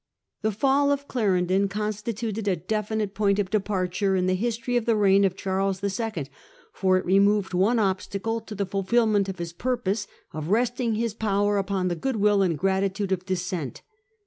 The fall of Clarendon constituted a definite point of de parture in the history of the reign of Charles II. ; for it removed one obstacle to the fulfilment ot his purpose of resting his power upon the good will and grati. and Arifng™ tude of Dissent.